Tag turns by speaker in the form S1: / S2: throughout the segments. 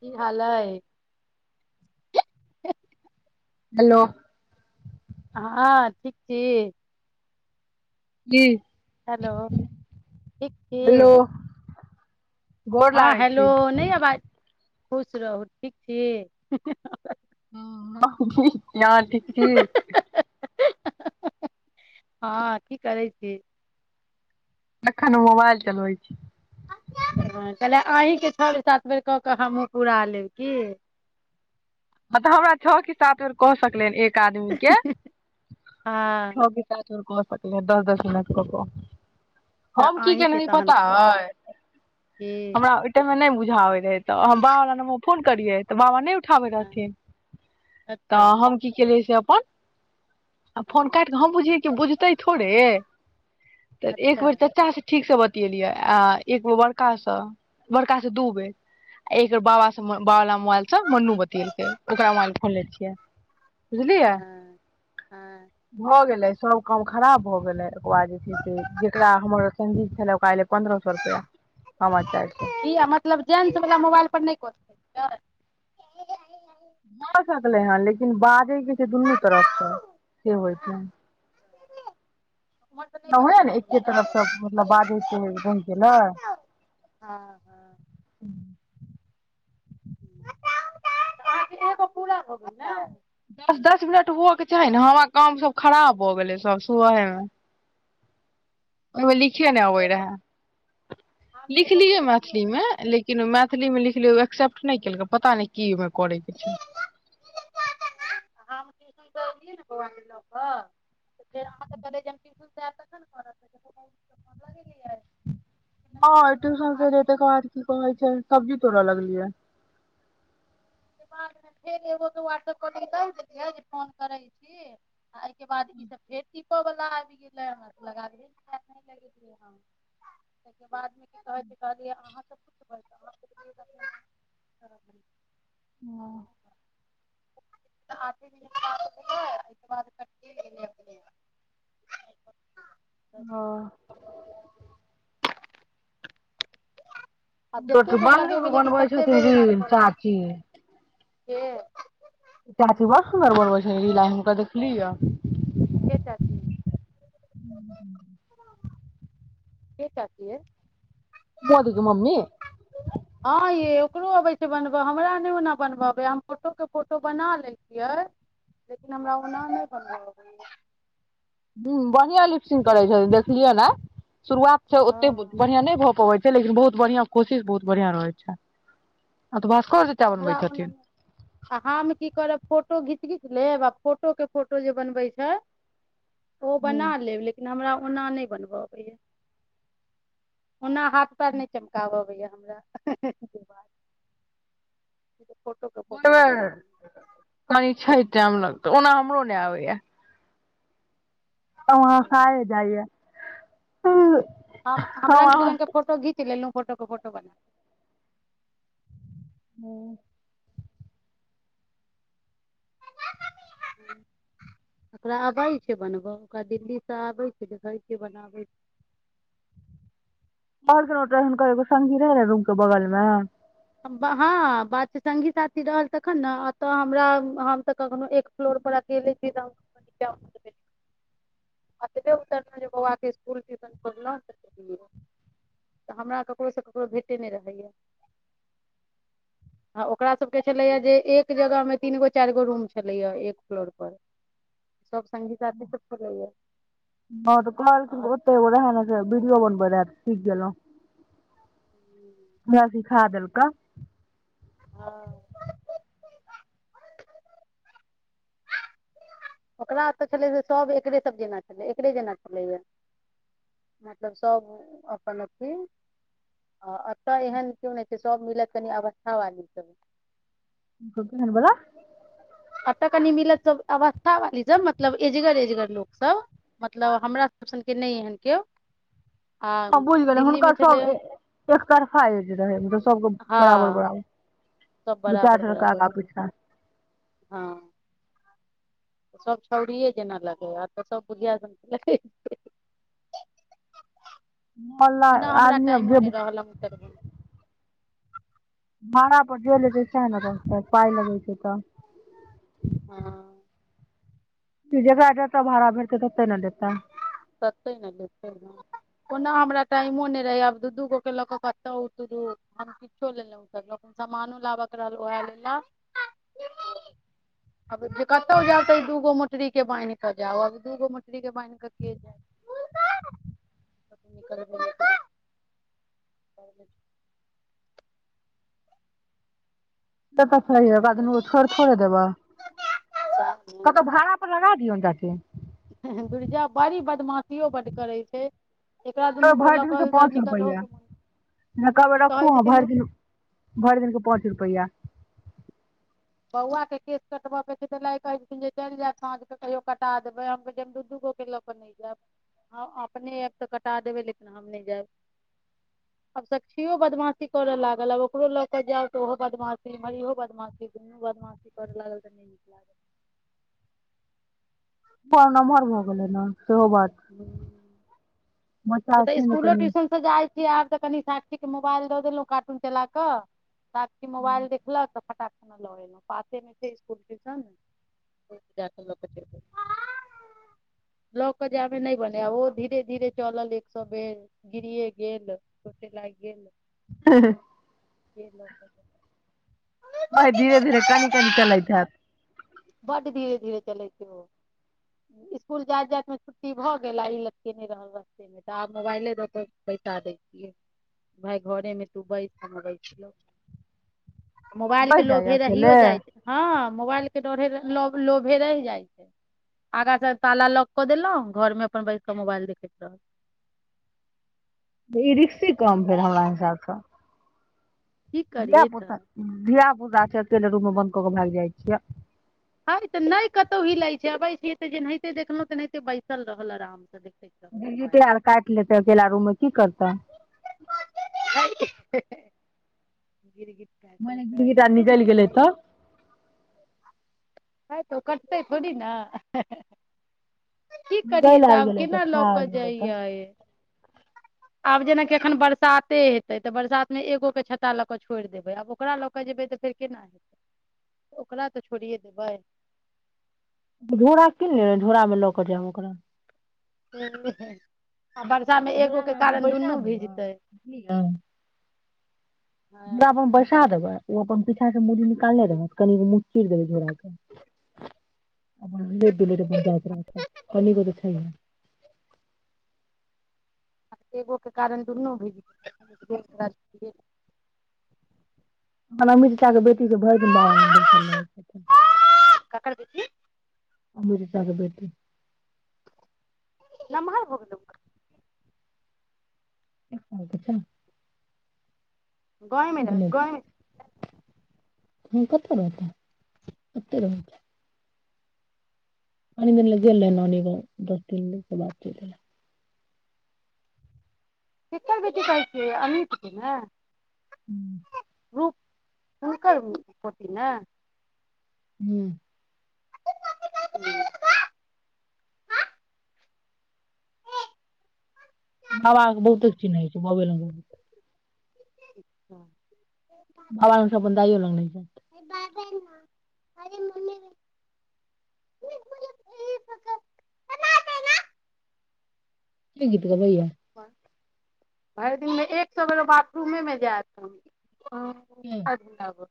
S1: की हाल‌ अय
S2: हेलो
S1: हँ ठीक छी
S2: ही
S1: हेलो ठीक छी
S2: हेलो गोर
S1: हँ
S2: लागै
S1: हेलो
S2: छी
S1: नहि अबाज खुश रहू ठीक छी
S2: ह अहाँ ठीक छी
S1: हँ की करैत छी
S2: एखन मोबाइल चलबय छि
S1: ह कहलियै अहीकेँ छओ बेर सात बेर कऽ कऽ हमहूँ पूरा लेब की
S2: हँ तऽ हमरा छओ क सात बेर कऽ सकलै एक आदमी कें
S1: हँ
S2: छह सं सात दस दस मिनट क केंँ
S1: तऽ
S2: हम की
S1: अहीँके
S2: केने
S1: तहन
S2: पता
S1: करब
S2: है
S1: की
S2: हमरा ओहि मे नहि बुझ उठाबय रहय तो हम बाबाला नम्बर फोन करिये तऽ बाबा नहि उठाबथिन
S1: हँ
S2: तऽ
S1: अच्छा
S2: हम की केलियै से अपन आ फोन
S1: हँ
S2: काटि कऽ हम बुझियै कि बुझतै थोड़े तऽ एक
S1: अच्छा
S2: बेर चाचा से ठीक से ब बतेलिया आ एकगो बरका सँ बड़का से दू बेर आ एक बेर बाबा सँ बाबा बला मोबाइल सँ मनु बतल ओकरा मोबाइल फोन ले छियै बुझलियै
S1: हँ हँ
S2: भऽ गेलय सब काम खराब भय गेलय ओकर बाद जे छै से जेकरा हमर सजीत छल चारि सए
S1: मतलब जेन्स बला मोबाइल पर नहि [unintelligible]
S2: भऽ सकलै हेँ लेकिन बाजेकेँ छैक दुनू तरफसँ से होइत छैक
S1: उम्हर तऽ नहि
S2: न हए
S1: बजैत
S2: ने एकके तरफ सब मतलब
S1: हेतै
S2: बाद से रइह गेलय
S1: हँ हँ हो गेल ने
S2: दस दस मिनट हुअ के चाही ने हमरा काम सब खराब भ गेलै सब सुबह मे ओहिमे लिखे नहि अबे
S1: एगो हम
S2: रहे
S1: एगो के
S2: लिखलियै
S1: केलियै
S2: मैथिली
S1: ने
S2: मे
S1: हम
S2: लेकिन मैथिली मे लिखलिय एक्सेप्ट नहि केलकै पता न क करय के छइ
S1: हमू सुतअलियै ने बउआ के लऽ कऽ आ कल ज [unintelligible] त ने करत हो कर य [unintelligible]
S2: हँ ट्यूशन से र तकर बाद की कहै छै सब्जी तोड़य लगलियै
S1: बादमे फेर एगो तऽ वाट्सऐप कऽ द देलियै जे फोन करैत छी आ एहिके बाद ई सब फेर वाल आबि गेले ह लगा लगै ह ताहिके बाद [unintelligible] कह कहलिय अहाँ सब पुछबै तऽ अहाँ
S2: ह
S1: बाद क [unintelligible]
S2: ह
S1: आब
S2: बड
S1: जतेक बेर
S2: बर निक
S1: लगेबै लेकिन
S2: बनबै
S1: ततेक
S2: छथिन
S1: बेर एना
S2: रिल
S1: करत
S2: चाची
S1: के
S2: चाची बड़ सुन्दर बनबै छै रील आय हुनका देखली ह
S1: के चाची के चाची चै
S2: [unintelligible] मम्मी
S1: केकरो अबै छै बनबऽ हमरा नहि ओना बनबबै हम फोटोके फोटो बना लै छियै लेकिन हमरा ओना नहि बनबऽब [inaudible]
S2: ह बढ़िआँ लिपसिंग करै छथि देखलियौ ने शुरुआत छै ओते
S1: हँ
S2: बढ़ियां नहि भए पबैत छै लेकिन बहुत बढ़िया कोशिश बहुत बढ़िया रहैत छै ब
S1: हमरा ओना आ हम की करब फोटो घीच किछ लेब आ फोटो के फोटो जे बनबै छै ओ बना लेब लेकिन हमरा ओना नहि बनबऽ अबैया ओना हाथ पैर नहि चमकाबा भैा हमरा ब [unintelligible] [inaudible]
S2: [unintelligible] पान छै टाइम लगत ओना हमरो नहि आबैय जाइया
S1: हम रंगग बिरङंगग के फोटो घीच लेलहुँ फोटो को फोटो बना
S2: हँ
S1: ओकरा अबै छै बनबय ओकरा दिल्ली सँ आबै छै देखै छैिय बनाबै छै
S2: बरके नोटन कह सगी रह रह रूम के बगलमे
S1: हँ बात छै सङ्गी साथी रहल तखन ने एतऽ हमरा हम तऽ कखनो एक फ्लोर पर अकेले छी तऽच आतबे उतरलहुँ जे बौआबाके इसकुल ट्यूशन खोललहुँ तऽ तऽ हमरा ककरोसँ ककरो भेटे नहि। आ ओकरा सभके छलैए जे एक जगहमे तीन गो चारि गो रूम छलैए एक फ्लोरपर सभ सङ्गी साथीसभ छलैए
S2: हँ तऽ कह ओतेो रह बीडियओ बन ब रह ठीक गेलेलहु वसी खा देलका
S1: हँ ओकरा ओतय छलै जे सभ एकरे सभ जेना छलै एकरे जेना छलैए मतलब सभ अपन अथी आ एतय एहन केओ नहि छै सभ मिलत कनि अवस्था वालीसभ
S2: केहन बला
S1: आ क नि मिल आवाज कछ वाली सब मतलब एजगर एजगर लोकसभ मतलब हमरा सब सनके नहि एहन केओ आ
S2: हँ बुझि गेलै
S1: दिल्ली मे
S2: हुनकर
S1: छलै
S2: सब एकतरफा रहै मतलब सबके बराबर
S1: हँ
S2: बराबर
S1: सब
S2: दू चारि
S1: बराबर
S2: सौ रुपया
S1: बराबर
S2: आगा
S1: रहै
S2: पीछा
S1: हँ सभ छउड़िए जेना लगै आब तऽ सभ बुढ़िया सब
S2: मोहल्ला
S1: ओना हमरा
S2: आदमी अब
S1: टाइमो
S2: जे
S1: नहि रहल ह उतरब
S2: हँ ब्डील तैस ने रह पाय लगै छै तऽ [unintelligible]
S1: हँ
S2: त जगह जाता भाड़ा भरत तऽ ते ने देता
S1: तत ने लेै कोना हमरा टाइमो नहि रहै आब दू दूगो के लऽ कऽ कतहु तरू हम किछो लेलहुँ सानो लाबऽ रहल उएह लेलाब कतहु जाउ तऽ दूगो मोटरीके बान्हि कऽ जाउब दू गो मोटरीके बान्हि कऽ निक [unintelligible]
S2: तऽ स एकरादुनू छोड़ थोड़े देबैह कतहु भाड़ा पर लगा दियौ ने काकी
S1: दुर्जौ बड़ी बदमाशियो बड्ड करै छै एकरा दुनू गो
S2: भरि
S1: लऽ
S2: दिन
S1: कऽ
S2: के
S1: ओहि दुआरे
S2: पाँच
S1: निकलहो
S2: रुपैआ
S1: के मोन
S2: कब
S1: ई
S2: रखू
S1: कहै
S2: ह
S1: छथिन
S2: भरि दिन भरि दिन के पाँच रुपैआ
S1: बौआके केश कटबयके छै तऽ लाय कहैत छथिन जे चलि जायब साँझकेँ कहियो कटा देबै हम कह हम दू दूगोके लऽ कऽ नहि जायब हम अपने आयब तऽ कटा देबै लेकिन हम नहि जायब आब सक्षियो बदमाशी करय लागल आब ओकरो लऽ कऽ जायब तऽ ओहो बदमाशी एम्हर इहो बदमाशी दुनू बदमाासी करै लागल तऽ नहि निकलाग
S2: ओ नमहर भऽ गेलै ने सेहो बात
S1: [unintelligible]
S2: बच्चा छै ने
S1: स्कुलो
S2: कनि
S1: ट्यूशन से जाइ छी आब तऽ कनि सा ठीक मोबाइल दऽ देलहुं कार्टून चला कऽ साक्षी मोबाइल देखक त फटाक लऽ एलहु पासे मे छै स्कुल टयूशन क ल के चल लऽ के जाय क ल अनलहुँ
S2: ह ह
S1: के लोक
S2: भ धीरे धीर कानि कानी चलैत हैत
S1: बड्ड धीरे धीरे चलै छै ओ इसकुल जाइत जातिमे छुट्टी भऽ गेल आ ई लटकेने रहल रास्तेमे तऽ आब मोबाइले दऽ कऽ बैसा दै छियै भाय घरेमे तू बैस कऽ मबै छह मोबाइल केँ
S2: बहि जाइए
S1: लोभे रहिये
S2: अकेले
S1: जाय छै हँ मोबाइल केँ रहिये जाय छै लोेभे रहि जाय छै आगां सँ ताला लौक कऽ देलहु घरमे अपन बैस कऽ मोबाइल देखैत रहल
S2: ई रिक्शि काम भेल हमरा हिसाबसँ
S1: की
S2: धिया
S1: करियै तऽ
S2: पुता धिया पुता छै तैले रूममे बंद कऽ केँ भागि जाइ छियै
S1: हँ तऽ नहि कतहु हीलैत छै अबैय छिये तऽ जेनाहिते देखलहुँ तेनाहिते बैसल रहल आरामसँ देखैत रहल मोबाइल
S2: गिरगिटिया आर काटि लेतै अकेला रूममे की करतै
S1: हे हे [inaudible] गिरगिट
S2: माने गिरगिट आर निकलि गेलै तब
S1: ह त ओ कटतै थोड़ी न की करियै
S2: गलि
S1: तऽ
S2: आर
S1: आब
S2: गेलै
S1: केना लऽ
S2: खा
S1: कऽ
S2: आर गेलै तऽ
S1: जइयै आब जेनाकि अखन बरसाते हेते तऽ बरसात मे एगोकेँ छत्ता लऽ के छोड़ि देबै आब ओकरा लऽ केँ जेबै तऽ फेर केना हेतै ओकरा तऽ छोड़ि छोड़िये देबाय
S2: झोरा कीन लेब झोरामे लऽ कऽ जायब ओकरा
S1: तनय [inaudible] आ वर्षामे एगो
S2: झोरा
S1: केँ
S2: मे अपन
S1: कारण
S2: बैसा
S1: दुनू
S2: देबै
S1: भीजतै
S2: पर बैसा देबै [inaudible] ओ अपन पीछा सँ मुड़ी निकालने रहत कनी कऽ मुँह चिड़ देबै झोड़ा केँ अपन हिलैत-डुलैत अपन जाइत रहत कनिये दूर तऽ छै हे
S1: आ एगोके कारण दुनू भीजतै [inaudible]
S2: म [unintelligible] ता के बेटी केँ भरि दिन बाहर लेने बैठल रहय छथीन
S1: ककर बेटी
S2: अमृता केँ बेटी
S1: नम्हर भऽ गेलय ओकर
S2: एक साल केँ छै [inaudible]
S1: गाममे
S2: साल के नै छै
S1: गोमेज [inaudible]
S2: हँ कतत् रहते एते रहय छै दिन ल गेलै नानी गांव दस दिन ले ओहि केँ बाद चैल एलै
S1: केकर बेटी कहै छियै अमीतकेँ ने
S2: हूँ
S1: रूप हुनकर पोती ने
S2: हूँ
S1: हूँ हा [inaudible]
S2: बड़ाक बहुतेक चिन्है छै बजै लग [inaudible]
S1: अच्छा [inaudible]
S2: बाबा लगसँ अपन दाइयो लग नहि जैत
S1: अरे मम्मी पकड़ ना [inaudible]
S2: के गीत गबैये
S1: भरि दिनमे एक सए बेर ओ बाथरूमेमे जायत हन ओ
S2: के
S1: सा लब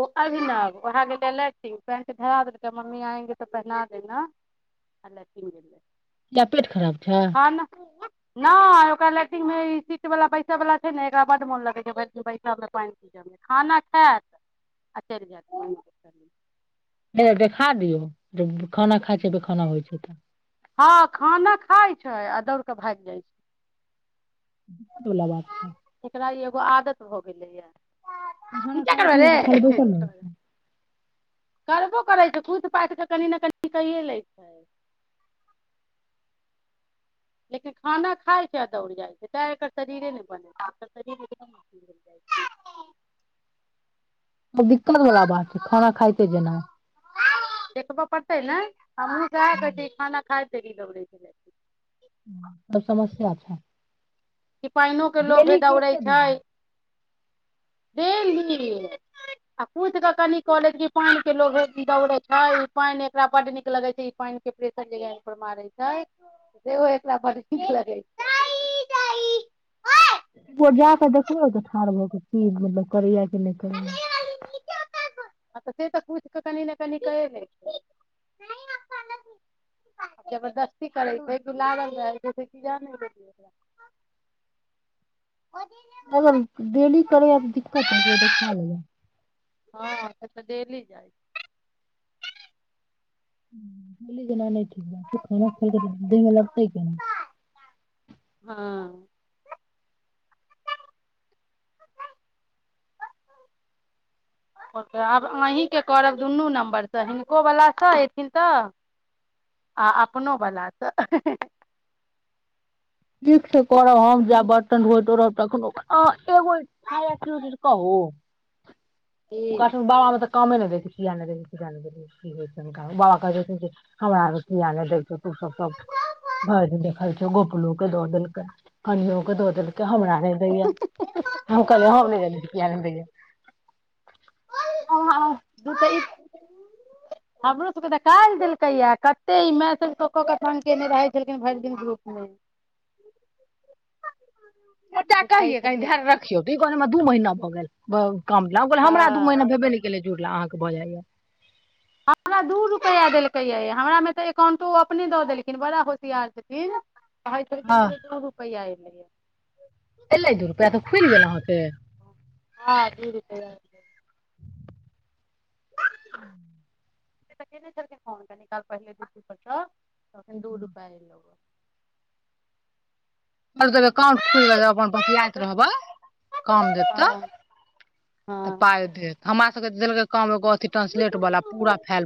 S1: ओ अभिनव ओएह गेलै लैटिंग पेंट धरा देलकै मम्मी आएंगे तऽ पहिना देना आ लैटिंग गेलै
S2: किया पेट खराब छै
S1: खाना नहि ओकरा लैट्रिनमे ई सीटवला बैसयवला छै ने एकरा बड मोन लगै छै भैर दिन बैसयमे पानि गीजमे खाना खायत आ चलि जायत
S2: हैये देखा दियौ खाना खाइ छै पेखाना होइ छै तऽ
S1: हँ खाना खाइत छै आ दौड़ कऽ भागि जाइत छै
S2: दुला बात ह
S1: एकरा ई एगो आदत भऽ गेलैया
S2: ओ हाना करै कि खाली बैसल रहै छै
S1: करबो करै छैई कुथि पादि कऽ कनि ने कनि कैए लै छैइ लेकिन खाना खाइ छैइ आ दौड़ जाइ छैइ तैँ एकर शरीरे नई बनै छी एकर शरीर एकदम अथि भेल जाइ छैइ
S2: ओ दिक्कत बला बात छैइ खाना खाइते जेना
S1: देखब पड़तै न हमी काहा कहैत छियै खाना खाइत तरी लगड़ै छै [unintelligible]
S2: सब समस्या छैइ
S1: कि पाइनो के लोभे दौड़ै
S2: दू
S1: छैइ
S2: एक
S1: डेली आ कुथ कऽ कनि कअ लैत कि पानिके लोभे दौड़ैत छै ई पानि एकरा बड्ड नीक लगैत छै ई पानिके प्रेशर जे एकरा गांइर पर मारैत छैइ सेहो एकरा बड्ड नीक लगै छैइ
S2: जा कऽ देखबै तऽ ठाढ़ भ क की मतलब करैया कि नई करैया
S1: तऽ से तऽ कूथ क कनि ने कनि कये लै छैइ जबरदस्त कि करै छैइ गुलाब ज [inaudible]
S2: अगर डेली करैय त दिक्कत है एक बेर देखा लेब
S1: हँ त तऽ डेली जाइ छैइ
S2: बोल्ली जे ननद खाना खलकै न देेह में लगतै कोना
S1: छै हँ ओ त आब अहीँ के करब दुनू नम्बरसँ हिनकोवलासँ अयथिन तऽ आ अपनोवलासँ
S2: ठीक छैइ करब हम जा बर्तन धोइतो रहब तखनो अ एगो फायदा कि होई छैइ से कहू ओकरा सके बाबा में त काम नहि दै छै कि आन दै किी ज देबै की हो छै [unintelligible] बाबा कहै छथिन जे हमरा आ किया नई दै छौ तो सब सब भरि दिन देख छ दो दिन क कन्नो द देलकैइ हमरा नैइ देइअ आहां कहलियै हमनी किया नई दैइअ
S1: दु तऽ ई हमरो सबके तऽ काल्हि देलकैइ या कते ई मैसेज क क तंग केने रहैइ छलखिन भरि दिन ग्रुप में
S2: चच्चा कहिेअ कनि ध्यान रखियौ त ई कहै हमरा दू महिना हो गेल बहु काम लाई तो हमरा दु महिना
S1: हँ
S2: भेबे नई केलै ह जुड़ला भ जाइए
S1: हमरा दू रुपैआ देलकैए हमरामे तऽ एकाउंटो अपने दऽ देलखिन बड़ा होशियार छथिन कहै छलखिन
S2: हँ
S1: जे दू रुपैइआ ह [inaudible]
S2: एलै दू रुपैआ तऽ खुलि गेल अहाँके
S1: हँ दू रुपैआ छलख फो पहि [unintelligible] तखन दू रूपै एलौ
S2: आ देब एकाउंट खुलि कब अपन बतियाइत रहबै काम देत तऽ
S1: हँ
S2: तऽ
S1: हँ
S2: पाय देत हमरा सबके काम एगो ट्रांस्लेंट बला पूरा फैल